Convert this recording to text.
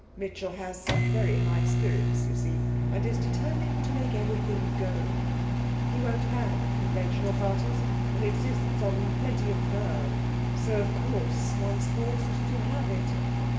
Mitchell has such very high spirits, you see, and is determined to make everything go. He won't have conventional parties, and insists on plenty of verve; so, of course, one's forced to have it.'